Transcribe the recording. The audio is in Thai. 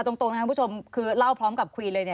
ตรงคุณผู้ชมคือเล่าพร้อมกับคุณคุ้นเลย